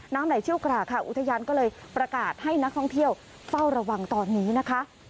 ไหลเชี่ยวกรากค่ะอุทยานก็เลยประกาศให้นักท่องเที่ยวเฝ้าระวังตอนนี้นะคะ